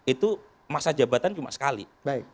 itu masa jabatan cuma sekali